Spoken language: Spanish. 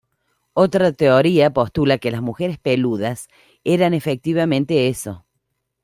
Otra teoría postula que las "mujeres peludas" eran efectivamente eso.